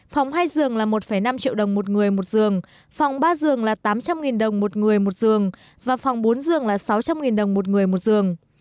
phòng hai giường là một năm triệu đồng một người một giường phòng ba giường là tám trăm linh đồng một người một giường và phòng bốn giường là sáu trăm linh đồng một người một giường